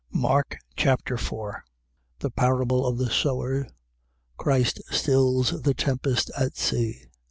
Mark Chapter 4 The parable of the sower. Christ stills the tempest at sea.